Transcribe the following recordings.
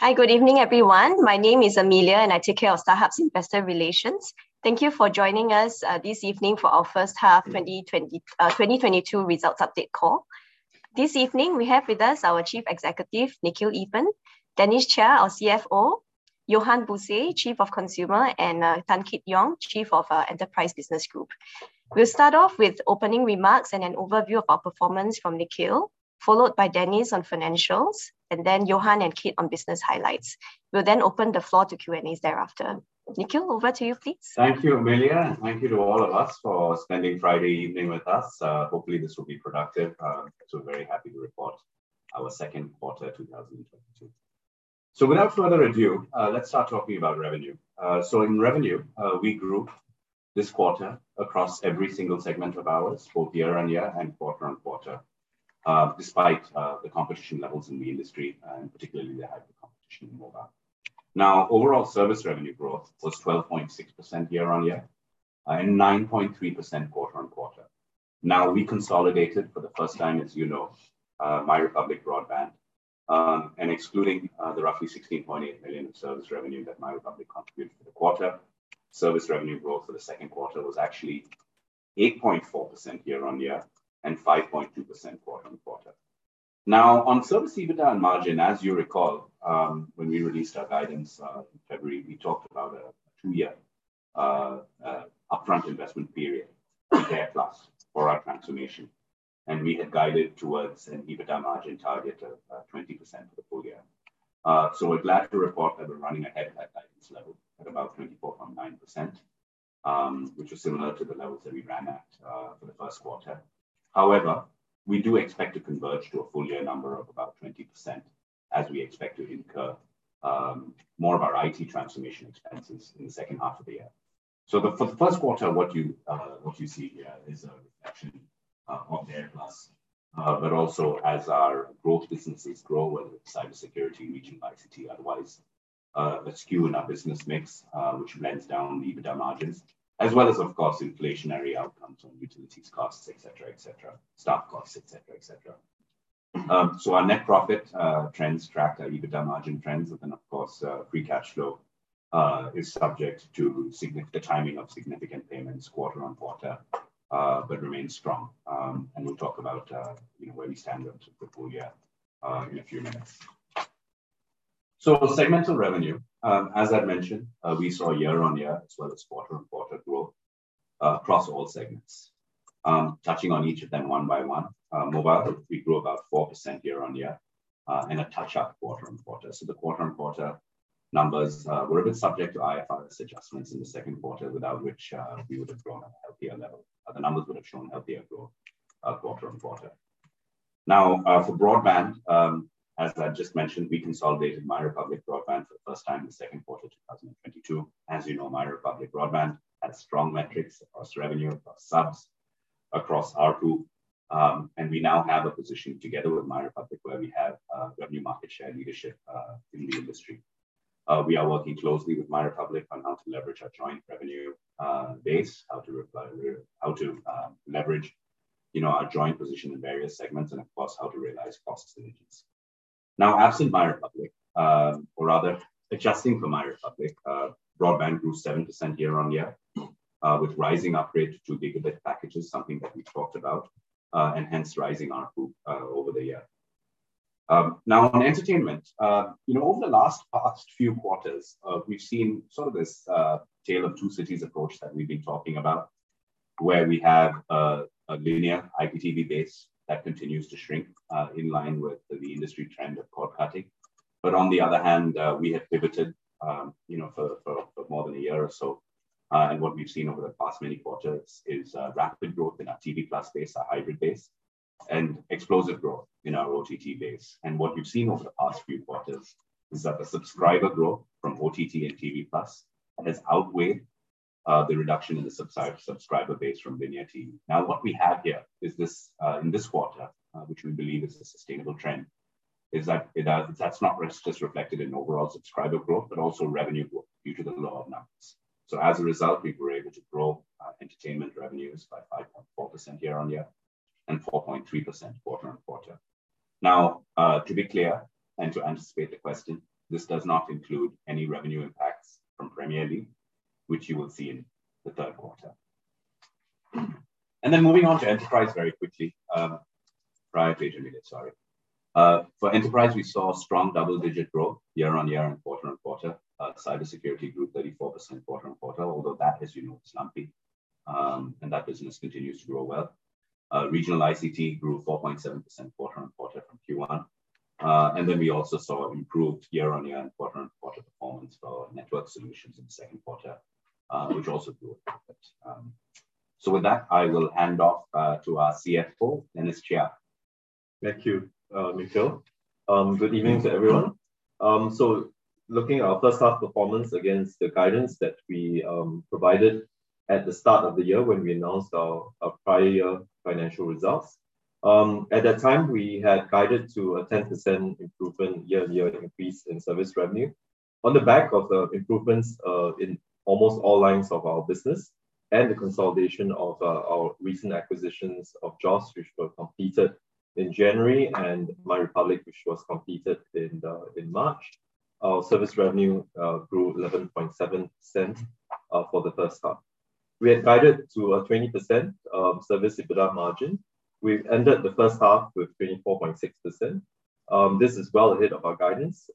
Hi, good evening, everyone. My name is Amelia, and I take care of StarHub's investor relations. Thank you for joining us this evening for our first half 2022 results update call. This evening we have with us our Chief Executive, Nikhil Eapen, Dennis Chia, our CFO, Johan Buse, Chief of Consumer, and Tan Kit Yong, Chief of our Enterprise Business Group. We'll start off with opening remarks and an overview of our performance from Nikhil, followed by Dennis on financials, and then Johan and Kit on business highlights. We'll then open the floor to Q&As thereafter. Nikhil, over to you please. Thank you, Amelia, and thank you to all of us for spending Friday evening with us. Hopefully this will be productive, so very happy to report our second quarter 2022. Without further ado, let's start talking about revenue. In revenue, we grew this quarter across every single segment of ours, both year-on-year and quarter-on-quarter, despite the competition levels in the industry, and particularly the hyper competition in mobile. Now, overall service revenue growth was 12.6% year-on-year and 9.3% quarter-on-quarter. Now, we consolidated for the first time, as you know, MyRepublic Broadband, and excluding the roughly 16.8 million in service revenue that MyRepublic contributed for the quarter, service revenue growth for the second quarter was actually 8.4% year-on-year and 5.2% quarter-on-quarter. Now, on service EBITDA and margin, as you recall, when we released our guidance in February, we talked about a two-year upfront investment period, DARE+, for our transformation. We had guided towards an EBITDA margin target of 20% for the full year. We're glad to report that we're running ahead of that guidance level at about 24.9%, which is similar to the levels that we ran at for the first quarter. However, we do expect to converge to a full year number of about 20% as we expect to incur more of our IT transformation expenses in the second half of the year. For the first quarter, what you see here is a reflection of ARPU, but also as our growth businesses grow, whether it's cybersecurity, regional ICT or otherwise, a skew in our business mix, which trends down EBITDA margins, as well as, of course, inflationary outcomes on utilities costs, et cetera, et cetera, stock costs, et cetera, et cetera. Our net profit trends track our EBITDA margin trends. Then of course, free cash flow is subject to the timing of significant payments quarter on quarter, but remains strong. We'll talk about, you know, where we stand on to the full year, in a few minutes. Segmental revenue, as I'd mentioned, we saw year-on-year as well as quarter-on-quarter growth across all segments. Touching on each of them one by one. Mobile, we grew about 4% year-on-year, and a touch up quarter-on-quarter. The quarter-on-quarter numbers would have been subject to IFRS adjustments in the second quarter, without which, we would have grown at a healthier level, or the numbers would have shown healthier growth, quarter-on-quarter. Now, for broadband, as I just mentioned, we consolidated MyRepublic Broadband for the first time in the second quarter of 2022. As you know, MyRepublic Broadband had strong metrics across revenue, across subs, across ARPU. We now have a position together with MyRepublic where we have revenue market share leadership in the industry. We are working closely with MyRepublic on how to leverage our joint revenue base, how to leverage, you know, our joint position in various segments and of course, how to realize cost synergies. Now, absent MyRepublic, or rather adjusting for MyRepublic, broadband grew 7% year-on-year with rising upgrade to bigger data packages, something that we talked about, and hence rising ARPU over the year. Now on entertainment, you know, over the last few quarters, we've seen sort of this tale of two cities approach that we've been talking about, where we have a linear IPTV base that continues to shrink in line with the industry trend of cord cutting. On the other hand, we have pivoted, you know, for more than a year or so, and what we've seen over the past many quarters is rapid growth in our TV Plus base, our hybrid base, and explosive growth in our OTT base. What we've seen over the past few quarters is that the subscriber growth from OTT and TV Plus has outweighed the reduction in the subscriber base from linear TV. Now, what we have here is this, in this quarter, which we believe is a sustainable trend, is that's not just reflected in overall subscriber growth, but also revenue growth due to the lower numbers. As a result, we were able to grow entertainment revenues by 5.4% year-on-year and 4.3% quarter-on-quarter. Now, to be clear, and to anticipate the question, this does not include any revenue impacts from Premier League, which you will see in the third quarter. Moving on to enterprise very quickly. Prior to [Amelia], sorry. For enterprise, we saw strong double-digit growth year-on-year and quarter-on-quarter. Cybersecurity grew 34% quarter-on-quarter, although that is, you know, lumpy. That business continues to grow well. Regional ICT grew 4.7% quarter-on-quarter from Q1. We also saw improved year-on-year and quarter-on-quarter performance for network solutions in the second quarter, which also grew a bit. With that, I will hand off to our CFO, Dennis Chia. Thank you, Nikhil. Good evening to everyone. Looking at our first half performance against the guidance that we provided at the start of the year when we announced our prior year financial results. At that time, we had guided to a 10% improvement year-on-year and increase in service revenue. On the back of the improvements in almost all lines of our business and the consolidation of our recent acquisitions of JOS, which were completed in January, and MyRepublic, which was completed in March, our service revenue grew 11.7% for the first half. We had guided to a 20% service EBITDA margin. We've ended the first half with 24.6%. This is well ahead of our guidance.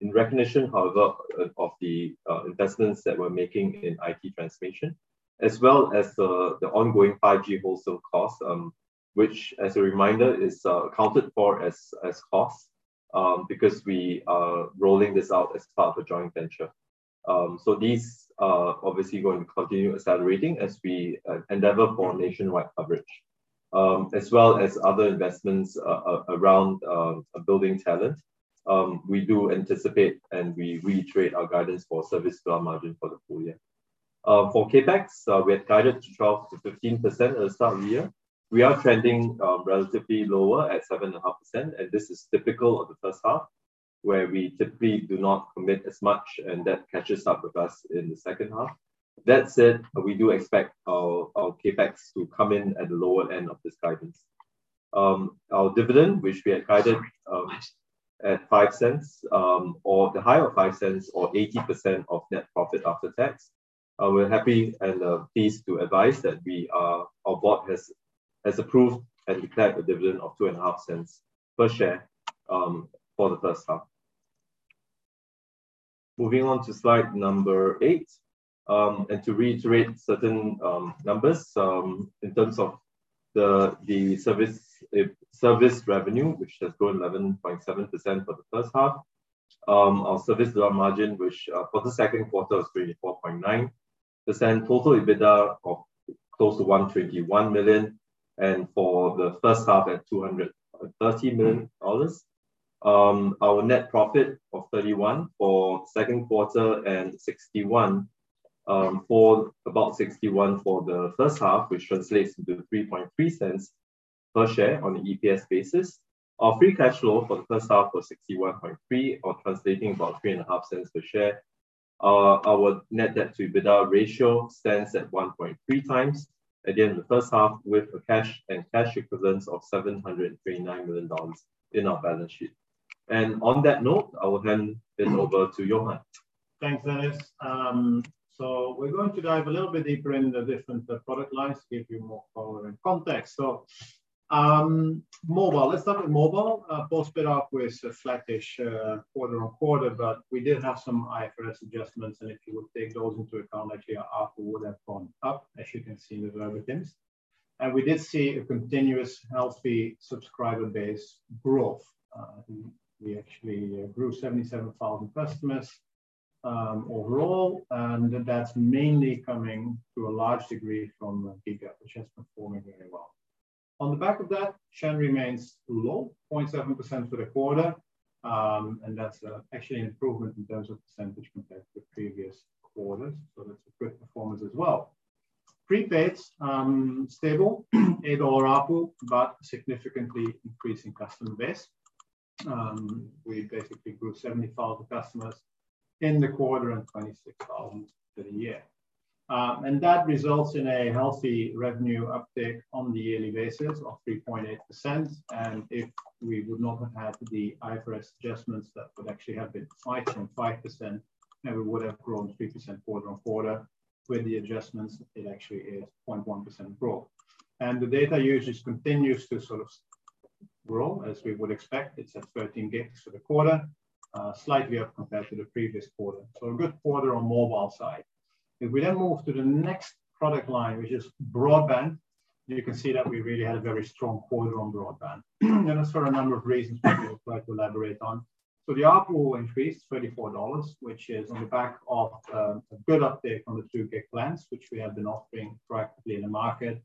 In recognition, however, of the investments that we're making in IT transformation, as well as the ongoing 5G wholesale cost, which as a reminder, is accounted for as cost, because we are rolling this out as part of a joint venture. These are obviously going to continue accelerating as we endeavor for nationwide coverage. As well as other investments around building talent. We do anticipate, and we reiterate our guidance for service EBITDA margin for the full year. For CapEx, we had guided to 12%-15% at the start of the year. We are trending relatively lower at 7.5%, and this is typical of the first half, where we typically do not commit as much, and that catches up with us in the second half. That said, we do expect our CapEx to come in at the lower end of this guidance. Our dividend, which we had guided. At 0.05, or the higher of 0.05 or 80% of net profit after tax, we're happy and pleased to advise that our board has approved and declared a dividend of 2.5 per share for the first half. Moving on to slide number eight. To reiterate certain numbers, in terms of the service revenue, which has grown 11.7% for the first half. Our service EBITDA margin, which for the second quarter is 24.9%. Total EBITDA of close to 121 million, and for the first half at 230 million dollars. Our net profit of 31 million for second quarter and about 61 million for the first half, which translates into 0.033 per share on an EPS basis. Our free cash flow for the first half was 61.3 million or translating about 0.035 per share. Our net debt to EBITDA ratio stands at 1.3 times, again, in the first half, with cash and cash equivalents of 739 million dollars in our balance sheet. On that note, I will hand this over to Johan. Thanks, Dennis. We're going to dive a little bit deeper into the different product lines to give you more color and context. Mobile. Let's start with mobile. Postpaid EBITDA was flattish quarter-on-quarter, but we did have some IFRS adjustments and if you would take those into account, actually our ARPU would have gone up, as you can see in the lower left-hand. We did see a continuous healthy subscriber base growth. We actually grew 77,000 customers overall, and that's mainly coming to a large degree from giga! which is performing very well. On the back of that, churn remains low, 0.7% for the quarter. That's actually an improvement in terms of percentage compared to previous quarters, so that's a great performance as well. Prepaids stable either in ARPU, but significantly increasing customer base. We basically grew 70,000 customers in the quarter and 26,000 for the year. That results in a healthy revenue uptick on the yearly basis of 3.8%. If we would not have had the IFRS adjustments, that would actually have been 5.5%, and we would have grown 3% quarter-over-quarter. With the adjustments, it actually is 0.1% growth. The data usage continues to sort of grow, as we would expect. It's at 13 GB for the quarter, slightly up compared to the previous quarter. A good quarter on mobile side. If we then move to the next product line, which is broadband, you can see that we really had a very strong quarter on broadband. That's for a number of reasons which we'll try to elaborate on. The ARPU increased to 34 dollars, which is on the back of a good uptick on the 2Gbps plans, which we have been offering proactively in the market.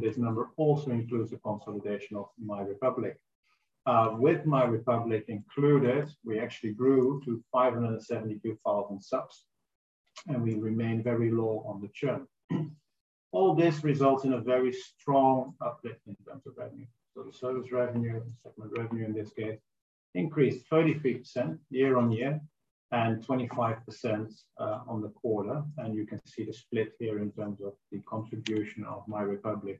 This number also includes the consolidation of MyRepublic. With MyRepublic included, we actually grew to 572,000 subs, and we remain very low on the churn. All this results in a very strong uptick in terms of revenue. The service revenue, segment revenue in this case, increased 33% year-on-year and 25% on the quarter. You can see the split here in terms of the contribution of MyRepublic.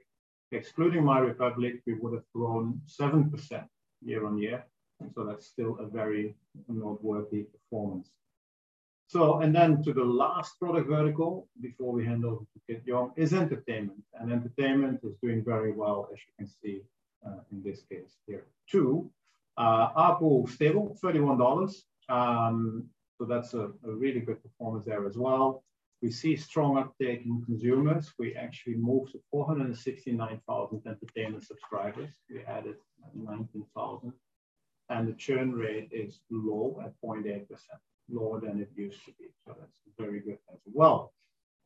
Excluding MyRepublic, we would have grown 7% year-on-year, and that's still a very noteworthy performance. To the last product vertical before we hand over to Kit Yong is entertainment. Entertainment is doing very well, as you can see, in this case here too. ARPU stable, 31 dollars. That's a really good performance there as well. We see strong uptick in consumers. We actually moved to 469,000 entertainment subscribers. We added 19,000. The churn rate is low at 0.8%, lower than it used to be. That's very good as well.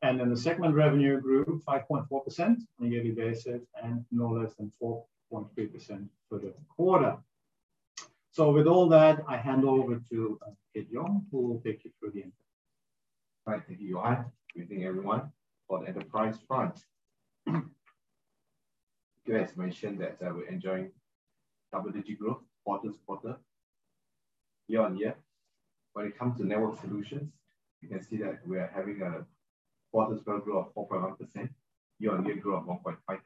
The segment revenue grew 5.4% on a yearly basis and no less than 4.3% for the quarter. With all that, I hand over to Kit Yong, who will take you through the enterprise. Right. Thank you, Johan. Good evening, everyone. For the enterprise front. You guys mentioned that, we're enjoying double-digit growth quarter-over-quarter, year-over-year. When it comes to network solutions, you can see that we are having a quarter-over-quarter growth of 4.1%, year-over-year growth of 1.5%.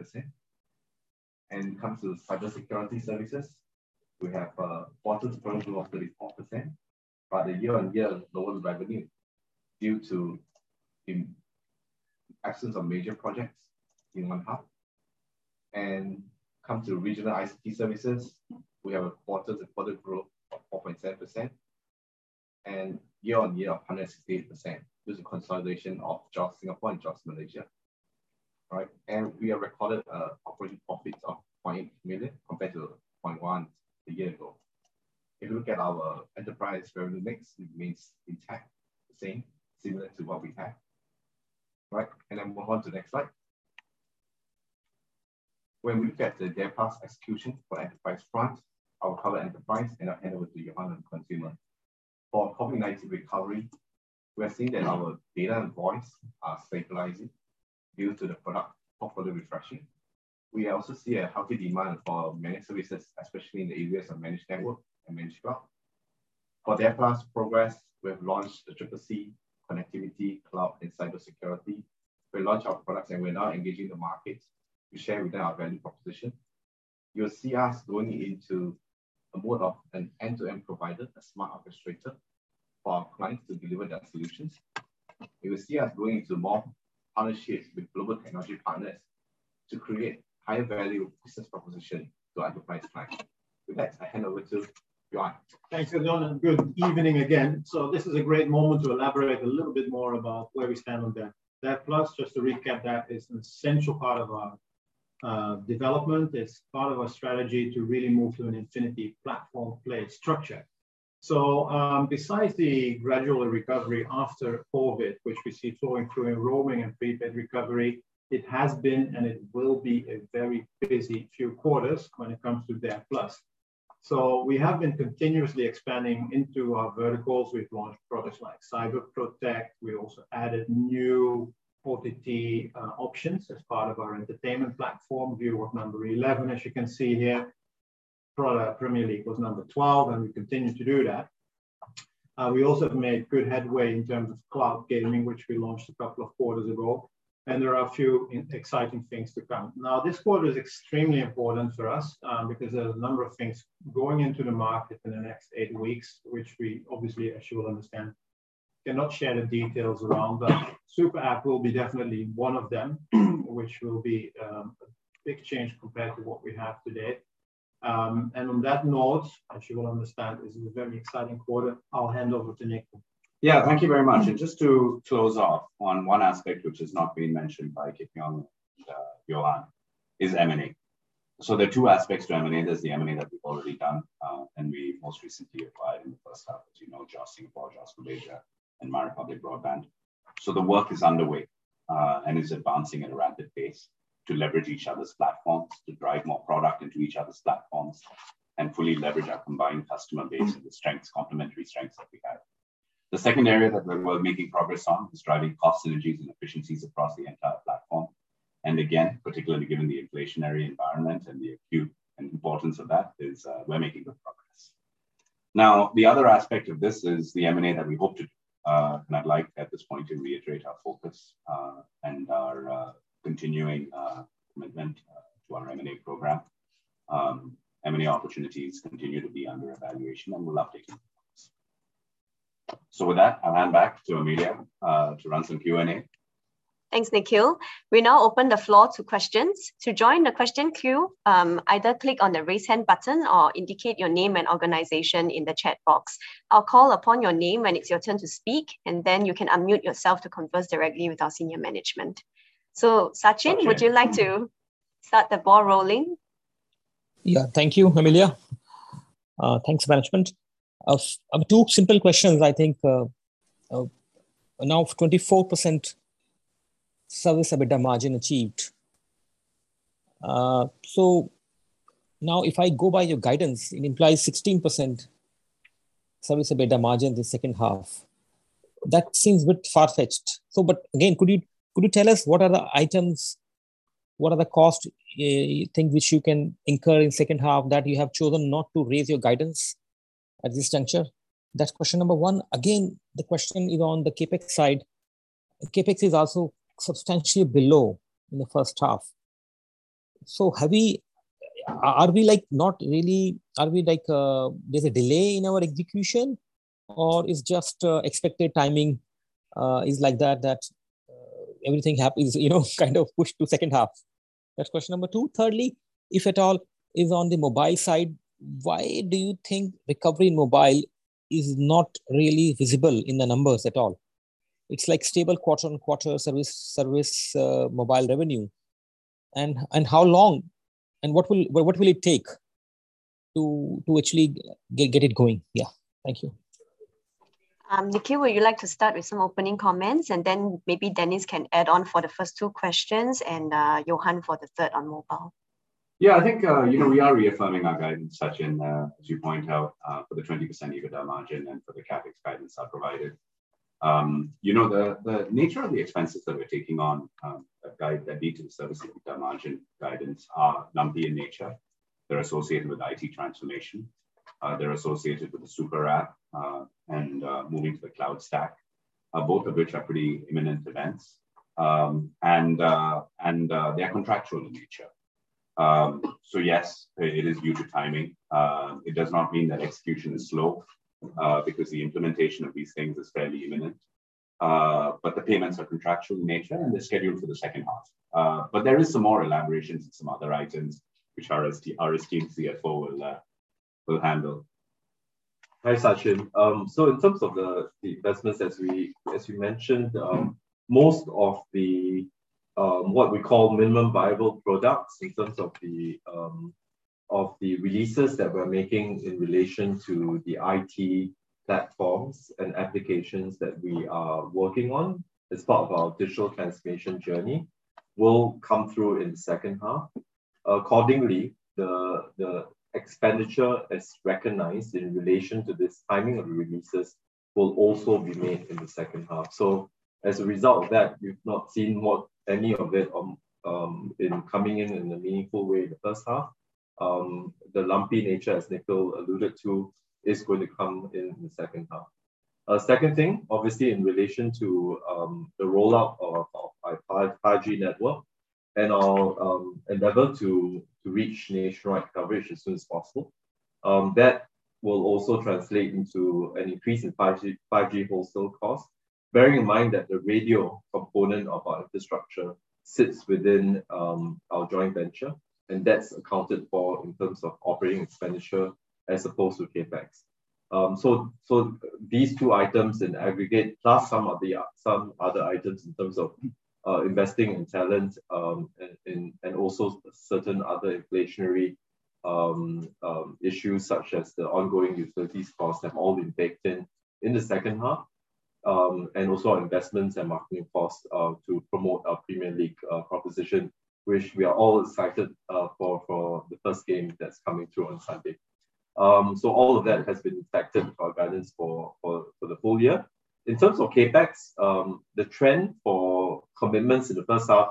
When it comes to cybersecurity services, we have, quarter-over-quarter growth of 34%, but a year-over-year lower revenue due to the absence of major projects in one half. When it comes to regional ICT services, we have a quarter-over-quarter growth of 4.7% and year-over-year of 168%. This is consolidation of JOS Singapore and JOS Malaysia. Right? We have recorded, operating profits of 0.8 million compared to 0.1 million a year ago. If you look at our enterprise revenue mix, it remains intact, the same, similar to what we had. Right. Move on to the next slide. When we look at the DARE+ execution for enterprise front, I will cover enterprise and I'll hand over to Johan on consumer. For COVID-19 recovery, we are seeing that our data and voice are stabilizing due to the product portfolio refreshing. We also see a healthy demand for managed services, especially in the areas of managed network and managed cloud. For DARE+ progress, we have launched the Triple C, connectivity, cloud and cybersecurity. We launched our products, and we're now engaging the market to share with them our value proposition. You'll see us going into a mode of an end-to-end provider, a smart orchestrator for our clients to deliver their solutions. You will see us going into more partnerships with global technology partners to create higher value business proposition to enterprise clients. With that, I hand over to Johan. Thanks, everyone, and good evening again. This is a great moment to elaborate a little bit more about where we stand on DARE+. DARE+, just to recap that, is an essential part of our development. It's part of our strategy to really move to an Infinity Play platform structure. Besides the gradual recovery after COVID, which we see flowing through in roaming and prepaid recovery, it has been and it will be a very busy few quarters when it comes to DARE+. We have been continuously expanding into our verticals. We've launched products like CyberProtect. We also added new OTT options as part of our entertainment platform. Viu was number 11, as you can see here. Premier League was number 12, and we continue to do that. We also have made good headway in terms of cloud gaming, which we launched a couple of quarters ago, and there are a few exciting things to come. Now, this quarter is extremely important for us, because there are a number of things going into the market in the next eight weeks, which we obviously, as you will understand, cannot share the details around. Super App will be definitely one of them, which will be, a big change compared to what we have today. On that note, as you will understand, this is a very exciting quarter. I'll hand over to Nikhil. Yeah. Thank you very much. Just to close off on one aspect which has not been mentioned by Kit Yong and Johan, is M&A. There are two aspects to M&A. There's the M&A that we've already done, and we most recently acquired in the first half, as you know, JOS Singapore, JOS Malaysia, and MyRepublic Broadband. The work is underway, and is advancing at a rapid pace to leverage each other's platforms, to drive more product into each other's platforms, and fully leverage our combined customer base and the strengths, complementary strengths that we have. The second area that we're making progress on is driving cost synergies and efficiencies across the entire platform. Again, particularly given the inflationary environment and the acute importance of that is, we're making good progress. Now, the other aspect of this is the M&A that we hope to do. I'd like at this point to reiterate our focus, and our continuing commitment to our M&A program. M&A opportunities continue to be under evaluation, and we'll update you. With that, I'll hand back to Amelia to run some Q&A. Thanks, Nikhil. We now open the floor to questions. To join the question queue, either click on the Raise Hand button or indicate your name and organization in the chat box. I'll call upon your name when it's your turn to speak, and then you can unmute yourself to converse directly with our senior management. Sachin, would you like to start the ball rolling? Yeah. Thank you, Amelia. Thanks management. Two simple questions, I think. Now 24% service EBITDA margin achieved. Now if I go by your guidance, it implies 16% service EBITDA margin the second half. That seems a bit far-fetched. Again, could you tell us what are the items, what are the cost things which you can incur in second half that you have chosen not to raise your guidance at this juncture? That's question number one. Again, the question is on the CapEx side. CapEx is also substantially below in the first half. Are we like there's a delay in our execution or it's just expected timing is like that that everything happens, you know, kind of pushed to second half? That's question number two. Thirdly, if at all is on the mobile side, why do you think recovery mobile is not really visible in the numbers at all? It's like stable quarter on quarter service mobile revenue. How long, and what will it take to actually get it going? Yeah. Thank you. Nikhil, would you like to start with some opening comments, and then maybe Dennis can add on for the first two questions and, Johan for the third on mobile? Yeah, I think, you know, we are reaffirming our guidance, Sachin, as you point out, for the 20% EBITDA margin and for the CapEx guidance I provided. You know, the nature of the expenses that we're taking on, that lead to the service EBITDA margin guidance are lumpy in nature. They're associated with IT transformation. They're associated with the Super App, and moving to the cloud stack, both of which are pretty imminent events. And they are contractual in nature. So yes, it is due to timing. It does not mean that execution is slow, because the implementation of these things is fairly imminent. But the payments are contractual in nature, and they're scheduled for the second half. There is some more elaborations and some other items which our esteemed CFO will handle. Hi, Sachin. In terms of the investments, as you mentioned, most of the what we call minimum viable products in terms of the releases that we're making in relation to the IT platforms and applications that we are working on as part of our digital transformation journey will come through in the second half. Accordingly, the expenditure is recognized in relation to this timing of the releases will also be made in the second half. As a result of that, we've not seen any of it coming in in a meaningful way in the first half. The lumpy nature, as Nikhil alluded to, is going to come in the second half. Second thing, obviously in relation to the rollout of our 5G network and our endeavor to reach nationwide coverage as soon as possible. That will also translate into an increase in 5G wholesale cost, bearing in mind that the radio component of our infrastructure sits within our joint venture, and that's accounted for in terms of operating expenditure as opposed to CapEx. So these two items in aggregate, plus some other items in terms of investing in talent, and also certain other inflationary issues such as the ongoing utilities costs have all been baked in the second half. Also investments and marketing costs to promote our Premier League proposition, which we are all excited for the first game that's coming through on Sunday. All of that has been factored into our guidance for the full year. In terms of CapEx, the trend for commitments in the first half,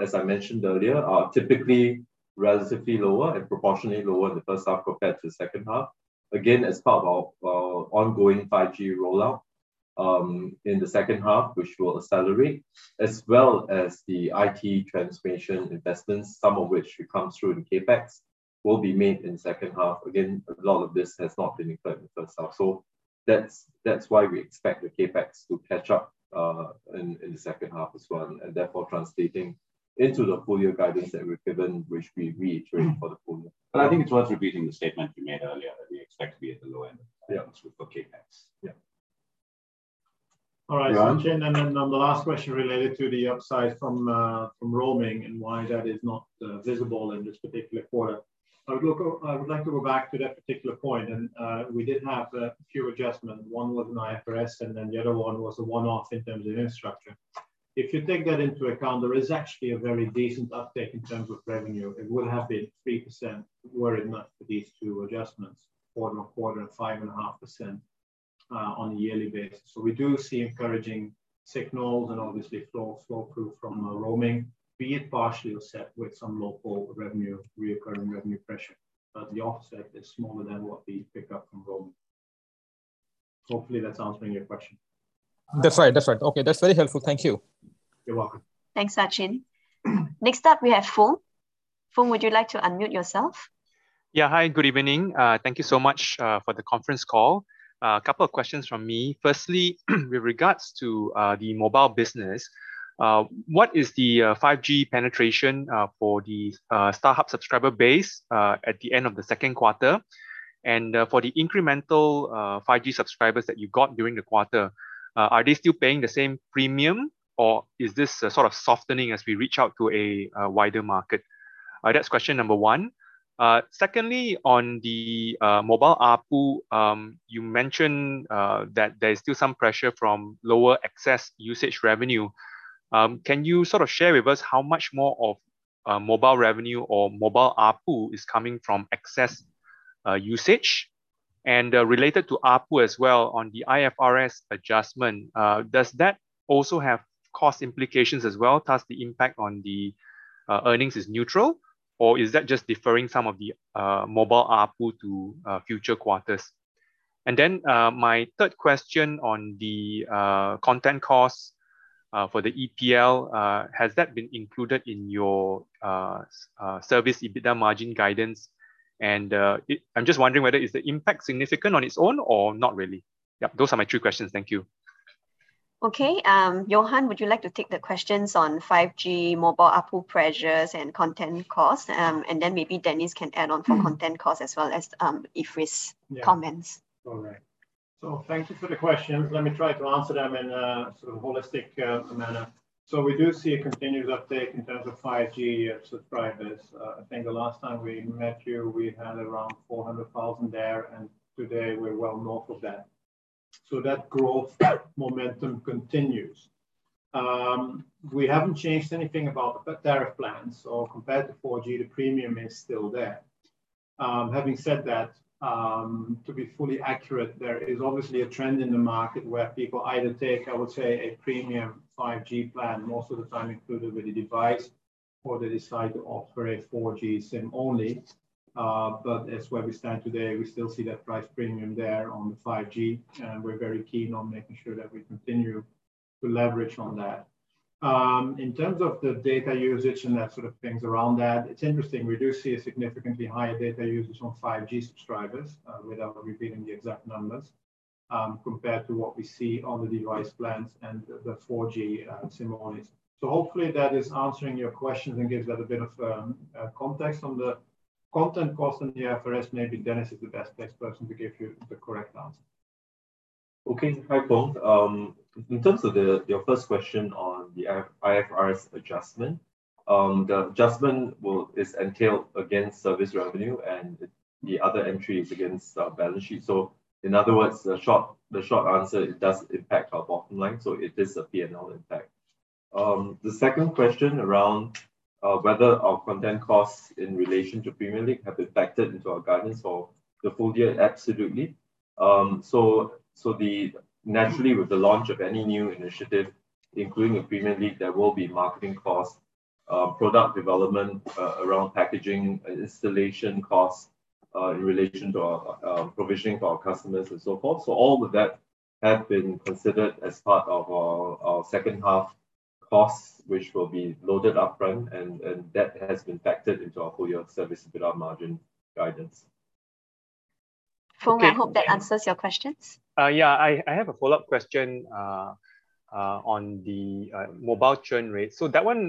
as I mentioned earlier, are typically relatively lower and proportionately lower in the first half compared to the second half. Again, as part of our ongoing 5G rollout in the second half, which will accelerate, as well as the IT transformation investments, some of which should come through in CapEx, will be made in the second half. Again, a lot of this has not been incurred in the first half. That's why we expect the CapEx to catch up in the second half as well, and therefore translating into the full year guidance that we've given, which we reiterate for the full year. I think it's worth repeating the statement you made earlier that we expect to be at the low end. Yeah As for CapEx. Yeah. All right. Johan. Sachin. The last question related to the upside from roaming and why that is not visible in this particular quarter. I would like to go back to that particular point. We did have a few adjustments. One was an IFRS, and then the other one was a one-off in terms of infrastructure. If you take that into account, there is actually a very decent uptake in terms of revenue. It would have been 3% were it not for these two adjustments, quarter-on-quarter and 5.5%, on a year-on-year basis. We do see encouraging signals and obviously flow through from roaming, be it partially offset with some local revenue, recurring revenue pressure. The offset is smaller than what we pick up from roaming. Hopefully, that's answering your question. That's right. Okay. That's very helpful. Thank you. You're welcome. Thanks, Sachin. Next up, we have Foong. Foong, would you like to unmute yourself? Yeah. Hi. Good evening. Thank you so much for the conference call. A couple of questions from me. Firstly, with regards to the mobile business, what is the 5G penetration for the StarHub subscriber base at the end of the second quarter? For the incremental 5G subscribers that you got during the quarter, are they still paying the same premium, or is this sort of softening as we reach out to a wider market? That's question number one. Secondly, on the mobile ARPU, you mentioned that there is still some pressure from lower access usage revenue. Can you sort of share with us how much more of mobile revenue or mobile ARPU is coming from access usage? Related to ARPU as well, on the IFRS adjustment, does that also have cost implications as well? Thus the impact on the earnings is neutral, or is that just deferring some of the mobile ARPU to future quarters? My third question on the content costs for the EPL, has that been included in your service EBITDA margin guidance? I'm just wondering whether is the impact significant on its own or not really? Yeah, those are my three questions? Thank you. Okay. Johan, would you like to take the questions on 5G mobile ARPU pressures and content costs? Then maybe Dennis can add on for content costs as well as IFRS comments. Yeah. All right. Thank you for the questions. Let me try to answer them in a sort of holistic manner. We do see a continued uptake in terms of 5G subscribers. I think the last time we met here, we had around 400,000 there, and today we're well north of that. That growth momentum continues. We haven't changed anything about the tariff plans or compared to 4G, the premium is still there. Having said that, to be fully accurate, there is obviously a trend in the market where people either take, I would say, a premium 5G plan, most of the time included with the device, or they decide to operate 4G SIM-only. That's where we stand today. We still see that price premium there on the 5G, and we're very keen on making sure that we continue to leverage on that. In terms of the data usage and that sort of things around that, it's interesting. We do see a significantly higher data usage from 5G subscribers, without revealing the exact numbers, compared to what we see on the device plans and the 4G SIM-onlys. Hopefully that is answering your question and gives that a bit of context. On the content cost and the IFRS, maybe Dennis is the best placed person to give you the correct answer. Okay. Hi, Foong. In terms of your first question on the IFRS adjustment, the adjustment is netted against service revenue, and the other entry is against our balance sheet. In other words, the short answer, it does impact our bottom line, so it is a P&L impact. The second question around whether our content costs in relation to Premier League have been factored into our guidance for the full year, absolutely. Naturally, with the launch of any new initiative, including the Premier League, there will be marketing costs, product development around packaging, installation costs in relation to our provisioning for our customers and so forth. All of that have been considered as part of our second half costs, which will be loaded upfront, and that has been factored into our full year service EBITDA margin guidance. Foong. Okay, thank you. I hope that answers your questions? I have a follow-up question on the mobile churn rate. That one,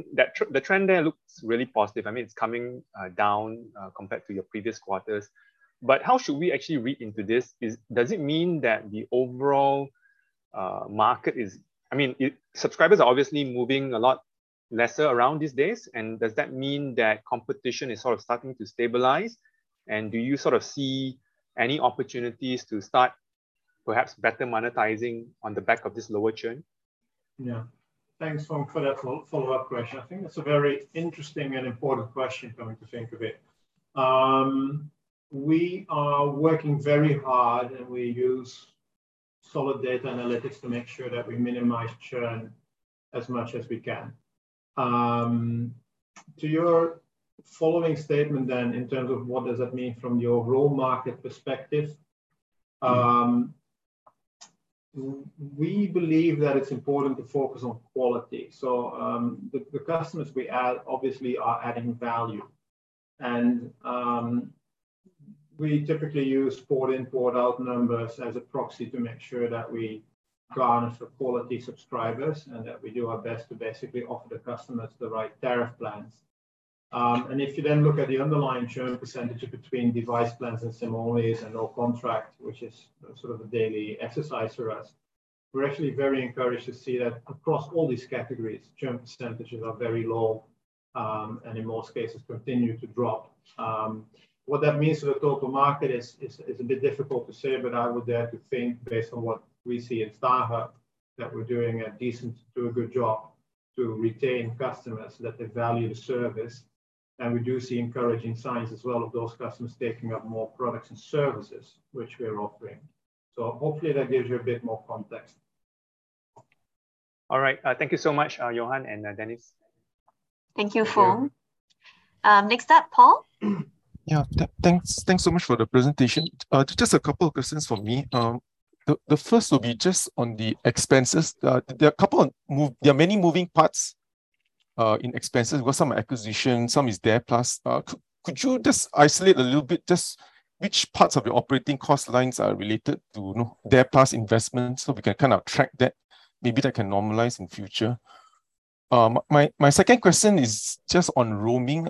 the trend there looks really positive. I mean, it's coming down compared to your previous quarters. How should we actually read into this? Does it mean that the overall market is, I mean, subscribers are obviously moving a lot lesser around these days, and does that mean that competition is sort of starting to stabilize? Do you sort of see any opportunities to start perhaps better monetizing on the back of this lower churn? Yeah. Thanks, Foong, for that follow-up question. I think that's a very interesting and important question, coming to think of it. We are working very hard, and we use solid data analytics to make sure that we minimize churn as much as we can. To your following statement then, in terms of what does that mean from the overall market perspective, we believe that it's important to focus on quality. The customers we add obviously are adding value. We typically use port in, port out numbers as a proxy to make sure that we garner some quality subscribers and that we do our best to basically offer the customers the right tariff plans. If you then look at the underlying churn percentage between device plans and SIM-onlys and no contract, which is sort of a daily exercise for us, we're actually very encouraged to see that across all these categories, churn percentages are very low, and in most cases continue to drop. What that means for the total market is a bit difficult to say, but I would dare to think based on what we see in StarHub, that we're doing a decent to a good job to retain customers, that they value the service. We do see encouraging signs as well of those customers taking up more products and services which we are offering. Hopefully that gives you a bit more context. All right. Thank you so much, Johan and Dennis. Thank you, Foong. Sure. Next up, Paul. Thanks so much for the presentation. Just a couple of questions from me. The first will be just on the expenses. There are many moving parts in expenses. We've got some are acquisition, some is DARE+. Could you just isolate a little bit just which parts of your operating cost lines are related to, you know, DARE+ investments, so we can kinda track that? Maybe that can normalize in future. My second question is just on roaming.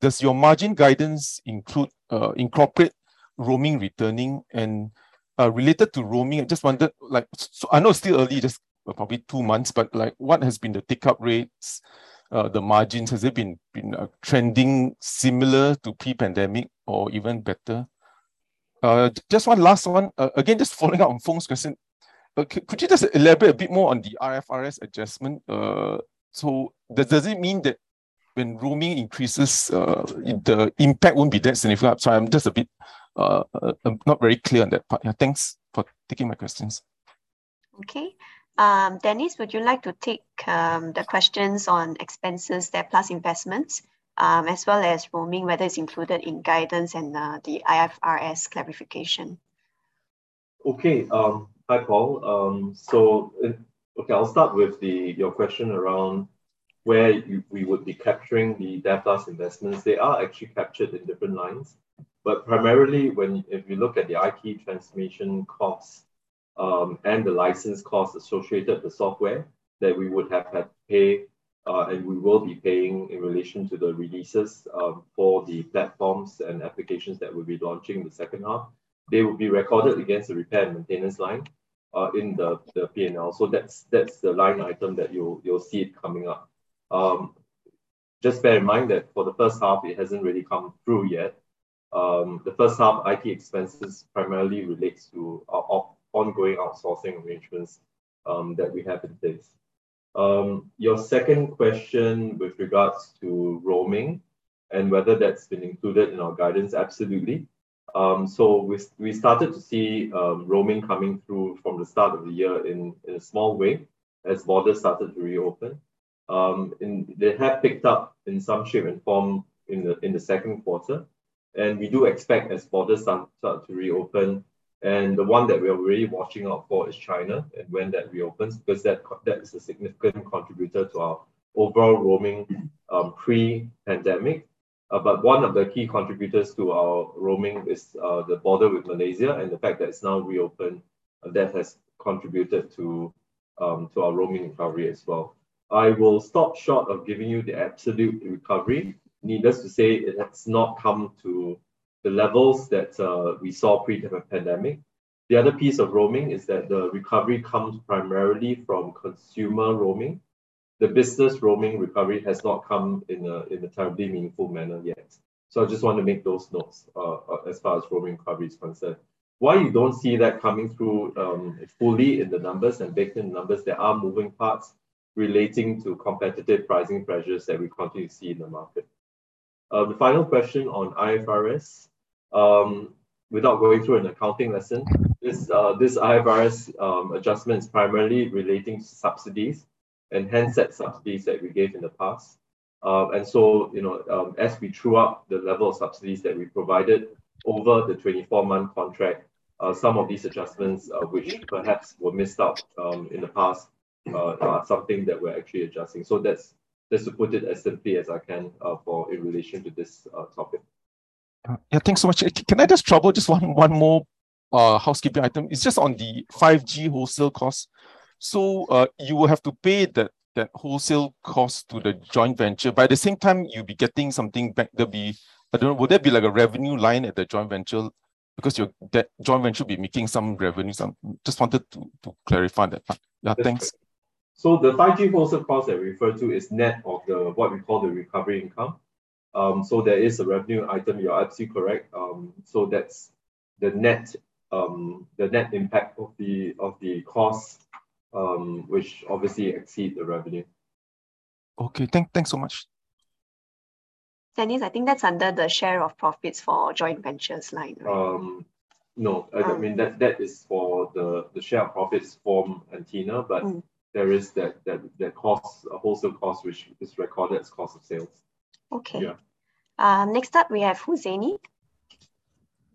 Does your margin guidance include incorporate roaming returning? Related to roaming, I just wondered, like, so I know it's still early, just probably two months, but like, what has been the take-up rates, the margins? Has it been trending similar to pre-pandemic or even better? Just one last one. Again, just following up on Foong's question, could you just elaborate a bit more on the IFRS adjustment? Does it mean that when roaming increases, the impact won't be that significant? Sorry, I'm just a bit not very clear on that part. Yeah, thanks for taking my questions. Okay. Dennis, would you like to take the questions on expenses, D&A plus investments, as well as roaming, whether it's included in guidance and the IFRS clarification? Okay. Hi, Paul. Okay, I'll start with your question around where we would be capturing the DARE+ investments. They are actually captured in different lines. But primarily, if you look at the IT transformation costs and the license costs associated, the software that we would have had to pay and we will be paying in relation to the releases for the platforms and applications that we'll be launching in the second half. They will be recorded against the repair and maintenance line in the P&L. That's the line item that you'll see it coming up. Just bear in mind that for the first half, it hasn't really come through yet. The first half IT expenses primarily relates to our ongoing outsourcing arrangements that we have in place. Your second question with regards to roaming and whether that's been included in our guidance, absolutely. We started to see roaming coming through from the start of the year in a small way as borders started to reopen. They have picked up in some shape and form in the second quarter. We do expect as borders start to reopen. The one that we are really watching out for is China and when that reopens, because that is a significant contributor to our overall roaming pre-pandemic. One of the key contributors to our roaming is the border with Malaysia and the fact that it's now reopened, that has contributed to our roaming recovery as well. I will stop short of giving you the absolute recovery. Needless to say, it has not come to the levels that we saw pre-pandemic. The other piece of roaming is that the recovery comes primarily from consumer roaming. The business roaming recovery has not come in a terribly meaningful manner yet. I just want to make those notes as far as roaming recovery is concerned. Why you don't see that coming through fully in the numbers and baked-in numbers, there are moving parts relating to competitive pricing pressures that we continue to see in the market. The final question on IFRS. Without going through an accounting lesson, this IFRS adjustment is primarily relating to subsidies and handset subsidies that we gave in the past. You know, as we true up the level of subsidies that we provided over the 24-month contract, some of these adjustments, which perhaps were missed out in the past, are something that we're actually adjusting. That's to put it as simply as I can in relation to this topic. Yeah. Yeah, thanks so much. Can I just trouble just one more housekeeping item? It's just on the 5G wholesale cost. So, you will have to pay the wholesale cost to the joint venture, but at the same time you'll be getting something back. There'll be. I don't know. Will there be like a revenue line at the joint venture? Because that joint venture will be making some revenue. Just wanted to clarify that part? Yeah, thanks. The 5G wholesale cost I referred to is net of what we call the recovery income. There is a revenue item. You are absolutely correct. That's the net impact of the cost, which obviously exceed the revenue. Okay. Thanks so much. Dennis, I think that's under the share of profits for joint ventures line, right? No. Um. I mean, that is for the share of profits from Antina. Mm-hmm. There is that cost, a wholesale cost, which is recorded as cost of sales. Okay. Yeah. Next up we have Huzaini.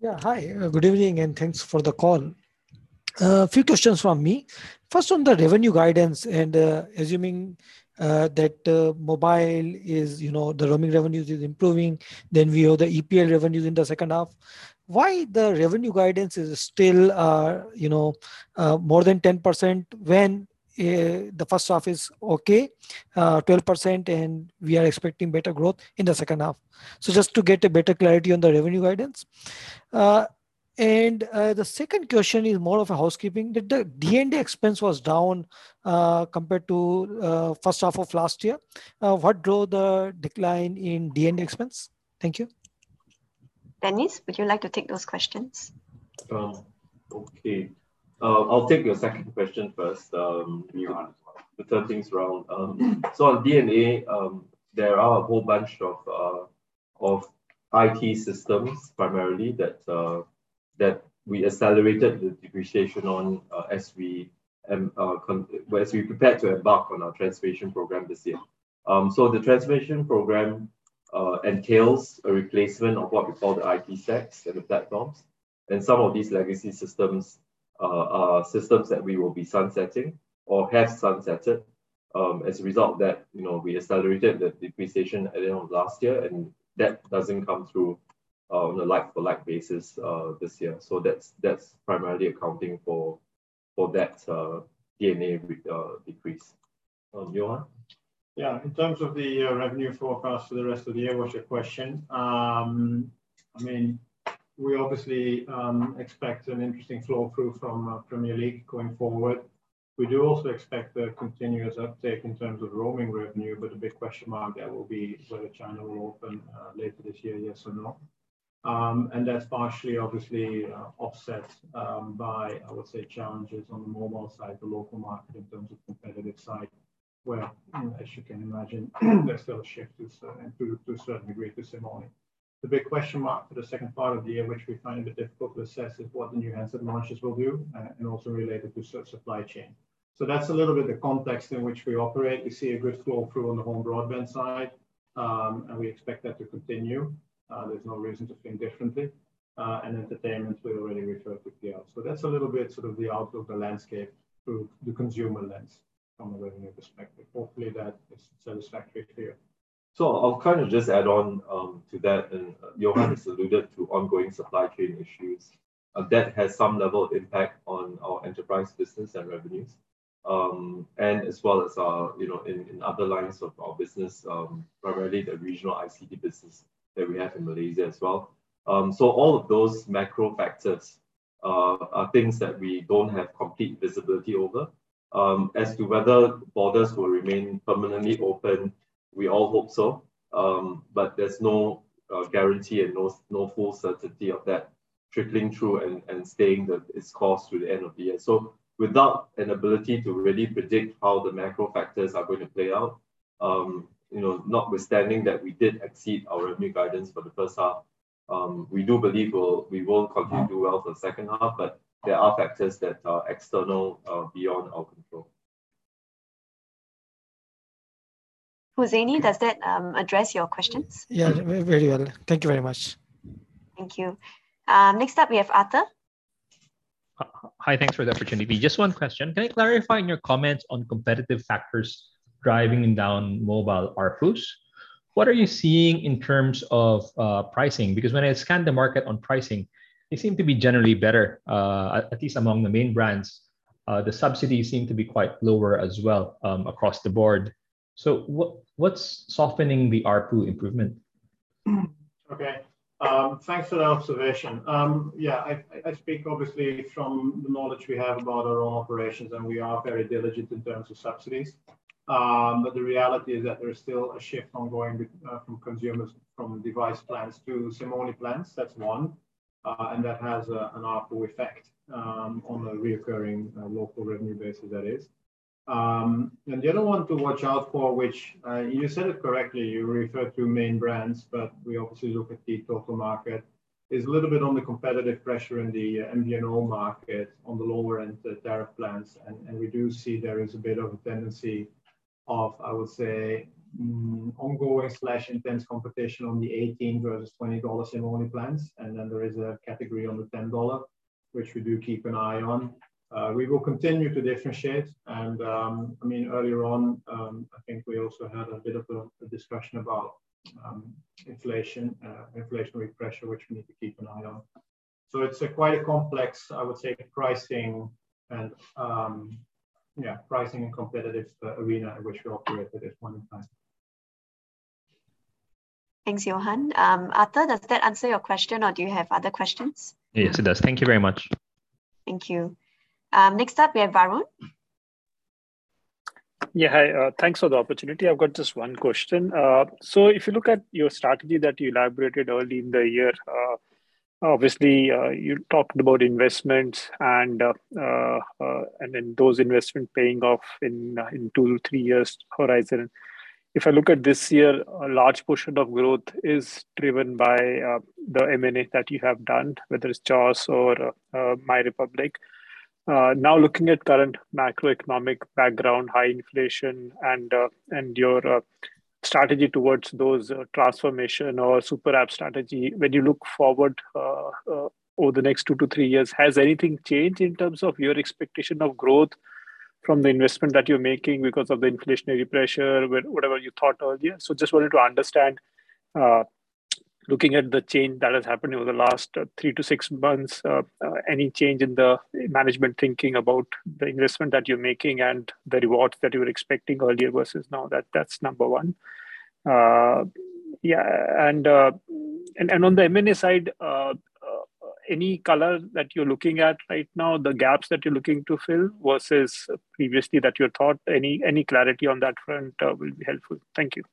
Yeah. Hi. Good evening and thanks for the call. A few questions from me. First, on the revenue guidance, and assuming that mobile is, you know, the roaming revenues is improving, then we have the EPL revenues in the second half. Why the revenue guidance is still, you know, more than 10% when the first half is okay, 12% and we are expecting better growth in the second half? Just to get a better clarity on the revenue guidance. The second question is more of a housekeeping. The D&A expense was down compared to first half of last year. What drove the decline in D&A expense? Thank you. Dennis, would you like to take those questions? Okay. I'll take your second question first. Johan as well. to turn things around. On D&A, there are a whole bunch of IT systems primarily that we accelerated the depreciation on, as we prepare to embark on our transformation program this year. The transformation program entails a replacement of what we call the IT stacks and the platforms. Some of these legacy systems are systems that we will be sunsetting or have sunsetted. As a result, that, you know, we accelerated the depreciation at the end of last year, and that doesn't come through on a like for like basis this year. That's primarily accounting for that D&A decrease. Johan? Yeah. In terms of the revenue forecast for the rest of the year, was your question. I mean, we obviously expect an interesting flow through from Premier League going forward. We do also expect a continuous uptake in terms of roaming revenue, but a big question mark there will be whether China will open later this year, yes or no. That's partially obviously offset by, I would say, challenges on the mobile side, the local market in terms of competitive side, where, you know, as you can imagine, there's still a shift to a certain degree to SIM-only. The big question mark for the second part of the year, which we find a bit difficult to assess, is what the new handset launches will do, and also related to supply chain. That's a little bit the context in which we operate. We see a good flow through on the home broadband side, and we expect that to continue. There's no reason to think differently. And entertainment we already referred to, EPL. That's a little bit sort of the outlook, the landscape through the consumer lens from a revenue perspective. Hopefully that is satisfactory to you. I'll kind of just add on to that. Johan has alluded to ongoing supply chain issues. That has some level of impact on our enterprise business and revenues as well as our, you know, in other lines of our business, primarily the regional ICT business that we have in Malaysia as well. All of those macro factors are things that we don't have complete visibility over. As to whether borders will remain permanently open, we all hope so. There's no guarantee and no full certainty of that. Staying its course through the end of the year. Without an ability to really predict how the macro factors are going to play out, you know, notwithstanding that we did exceed our revenue guidance for the first half, we do believe we will continue to do well for the second half, but there are factors that are external beyond our control. Huzaini, does that address your questions? Yeah. Very well. Thank you very much. Thank you. Next up we have Arthur. Hi. Thanks for the opportunity. Just one question. Can you clarify in your comments on competitive factors driving down mobile ARPUs? What are you seeing in terms of pricing? Because when I scan the market on pricing, they seem to be generally better, at least among the main brands. The subsidies seem to be quite lower as well, across the board. What's softening the ARPU improvement? Okay. Thanks for that observation. Yeah, I speak obviously from the knowledge we have about our own operations, and we are very diligent in terms of subsidies. The reality is that there is still a shift ongoing from consumers, from device plans to SIM-only plans. That's one. That has an ARPU effect on the recurring local revenue basis, that is. The other one to watch out for which you said it correctly, you referred to main brands, but we obviously look at the total market, is a little bit on the competitive pressure in the MNO market on the lower-end tariff plans. We do see there is a bit of a tendency of, I would say, ongoing intense competition on the 18 versus 20 dollar SIM-only plans. There is a category on the 10 dollar, which we do keep an eye on. We will continue to differentiate and, I mean, earlier on, I think we also had a bit of a discussion about inflation, inflationary pressure, which we need to keep an eye on. It's quite a complex, I would say, pricing and competitive arena in which we operate at this point in time. Thanks, Johan. Arthur, does that answer your question, or do you have other questions? Yes, it does. Thank you very much. Thank you. Next up we have Varun. Yeah. Hi, thanks for the opportunity. I've got just one question. If you look at your strategy that you elaborated early in the year, obviously, you talked about investments and then those investment paying off in two, three years horizon. If I look at this year, a large portion of growth is driven by the M&A that you have done, whether it's JOS or MyRepublic. Now looking at current macroeconomic background, high inflation and your strategy towards those transformation or Super App strategy, when you look forward over the next two to three years, has anything changed in terms of your expectation of growth from the investment that you're making because of the inflationary pressure? Whatever you thought earlier. Just wanted to understand, looking at the change that has happened over the last three-six months, any change in the management thinking about the investment that you're making and the rewards that you were expecting earlier versus now? That's number one. Yeah, and on the M&A side, any color that you're looking at right now, the gaps that you're looking to fill versus previously that you had thought. Any clarity on that front will be helpful? Thank you.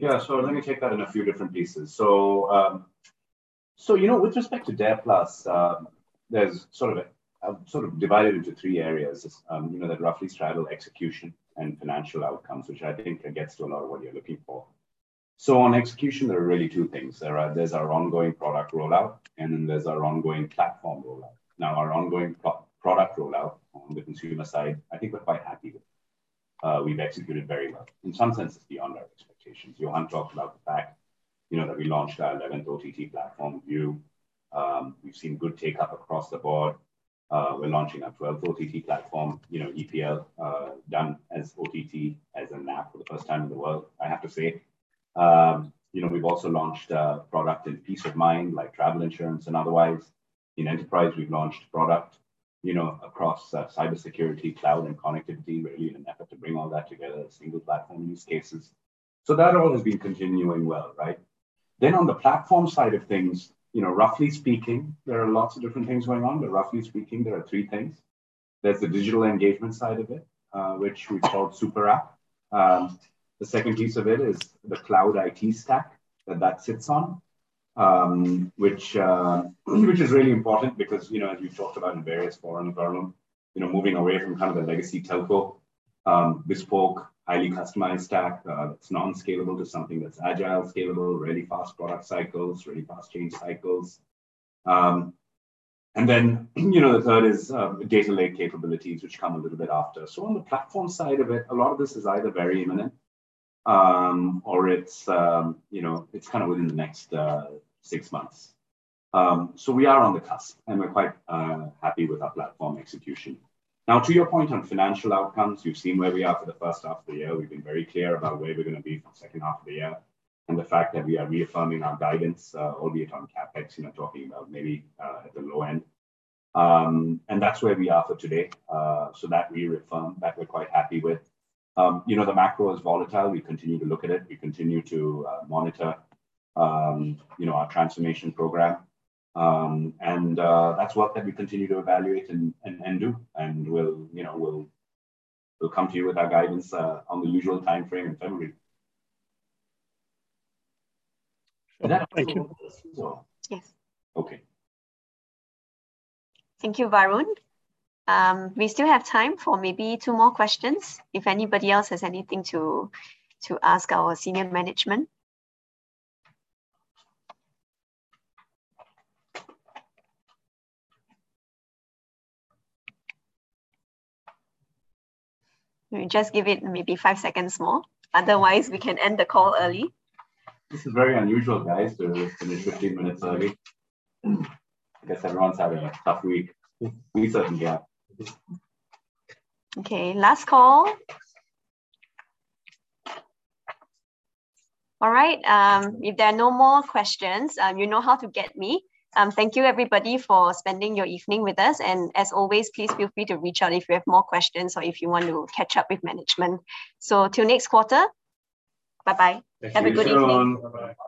Yeah. Let me take that in a few different pieces. You know, with respect to DARE+, there's sort of a sort of divided into three areas, you know, that roughly straddle execution and financial outcomes, which I think gets to a lot of what you're looking for. On execution, there are really two things. There's our ongoing product rollout, and then there's our ongoing platform rollout. Now, our ongoing product rollout on the consumer side, I think we're quite happy with. We've executed very well, in some senses beyond our expectations. Johan talked about the fact, you know, that we launched our 11th OTT platform Viu. We've seen good take-up across the board. We're launching our 12th OTT platform, you know, EPL, done as OTT as an app for the first time in the world, I have to say. You know, we've also launched a product in Peace of Mind, like travel insurance and otherwise. In enterprise, we've launched product, you know, across, Cybersecurity, Cloud and Connectivity, really in an effort to bring all that together in a single platform use cases. That all has been continuing well, right? On the platform side of things, you know, roughly speaking, there are lots of different things going on, but roughly speaking, there are three things. There's the digital engagement side of it, which we call Super App. The second piece of it is the cloud IT stack that sits on, which is really important because, you know, as you've talked about in various forums, Varun, you know, moving away from kind of the legacy telco, bespoke, highly customized stack, that's non-scalable to something that's agile, scalable, really fast product cycles, really fast change cycles. And then, you know, the third is data lake capabilities, which come a little bit after. On the platform side of it, a lot of this is either very imminent, or it's, you know, it's kind of within the next six months. So we are on the cusp, and we're quite happy with our platform execution. Now, to your point on financial outcomes, you've seen where we are for the first half of the year. We've been very clear about where we're gonna be for the second half of the year and the fact that we are reaffirming our guidance, albeit on CapEx, you know, talking about maybe at the low end. That's where we are for today. That we reaffirm. That we're quite happy with. You know, the macro is volatile. We continue to look at it. We continue to monitor, you know, our transformation program. That's work that we continue to evaluate and do. We'll, you know, come to you with our guidance on the usual timeframe in February. Thank you. Yes. Okay. Thank you, Varun. We still have time for maybe two more questions if anybody else has anything to ask our senior management. Let me just give it maybe five seconds more. Otherwise, we can end the call early. This is very unusual, guys, to finish 15 minutes early. I guess everyone's having a tough week. We certainly are. Okay. Last call. All right, if there are no more questions, you know how to get me. Thank you, everybody, for spending your evening with us. As always, please feel free to reach out if you have more questions or if you want to catch up with management. Till next quarter, bye-bye. Thank you. Have a good evening. Bye-bye.